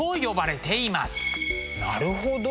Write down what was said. なるほど。